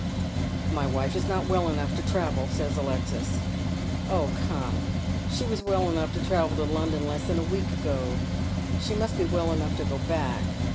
" My wife is not well enough to travel," says Alexis. "Oh, come, she was well enough to travel to London less than a week ago ; she must be well enough to go back.